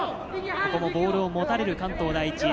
ここもボールを持たれる関東第一。